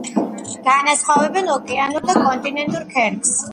განასხვავებენ ოკეანურ და კონტინენტურ ქერქს.